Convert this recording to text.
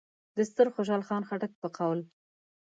د ستر خوشحال خان خټک په قول: